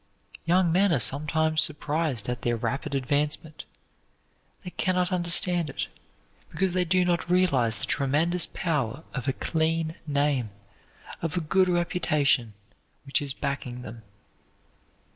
Young men are sometimes surprised at their rapid advancement. They can not understand it, because they do not realize the tremendous power of a clean name, of a good reputation which is backing them.